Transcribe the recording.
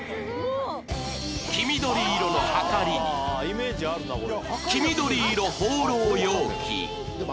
黄緑色のはかりに黄緑色ホーロー容器